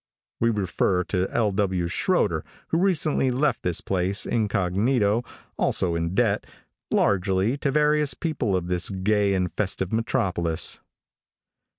We refer to L. W. Shroeder, who recently left this place incog., also in debt, largely, to various people of this gay and festive metropolis.